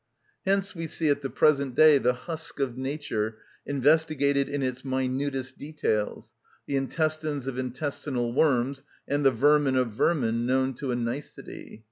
Hence we see at the present day the husk of nature investigated in its minutest details, the intestines of intestinal worms and the vermin of vermin known to a nicety.